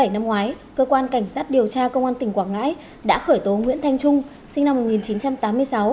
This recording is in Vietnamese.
năm ngoái cơ quan cảnh sát điều tra công an tỉnh quảng ngãi đã khởi tố nguyễn thanh trung sinh năm